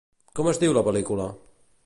Com es diu la pel·lícula?